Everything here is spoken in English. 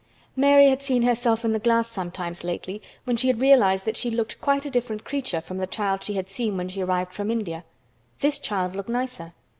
Mary had seen herself in the glass sometimes lately when she had realized that she looked quite a different creature from the child she had seen when she arrived from India. This child looked nicer.